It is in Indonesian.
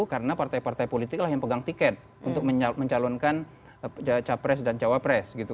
karena partai partai politik yang pegang tiket untuk mencalonkan capres dan jawa pres